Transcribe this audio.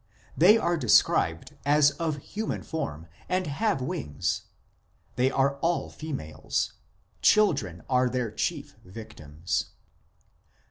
They are described as of human form, and have wings ; they are all females ; children are their chief victims.